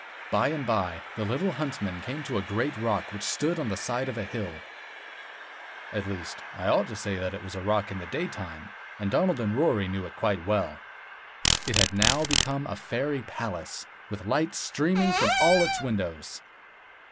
By and by, the little huntsmen came to a great rock which stood on the side of a hill. At least 81 I ought to say that it was a rock in the daytime, and Donald and Rory knew it quite well. It had now become a fairy palace, with lights streaming from all its windows.